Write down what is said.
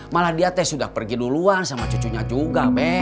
malah dia teh sudah pergi duluan sama cucunya juga